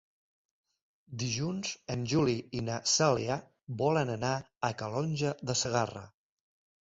Dilluns en Juli i na Cèlia volen anar a Calonge de Segarra.